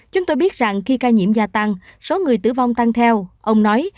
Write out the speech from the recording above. chúng tôi biết rằng khi ca nhiễm gia tăng số người tử vong tăng theo ông nói